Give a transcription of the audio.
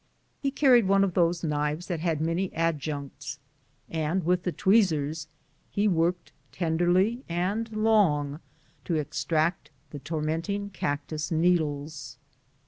He carried one of those knives that had many adjuncts, and with the tweezers he worked tenderly and long to extract the tormenting cactus needles.